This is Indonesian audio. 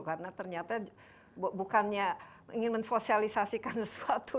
karena ternyata bukannya ingin mensosialisasikan sesuatu